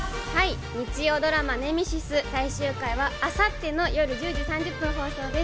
日曜ドラマ『ネメシス』最終話は明後日夜１０時３０分放送です。